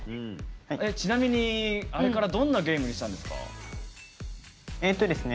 ちなみにあれからどんなゲームにしたんですか？